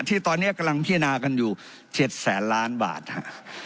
ที่ตอนนี้กำลังพิจารณากันอยู่๗แสนล้านบาทฮะ